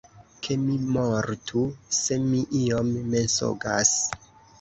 Ke mi mortu, se mi iom mensogas!